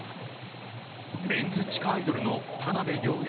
メンズ地下アイドルの田辺稜弥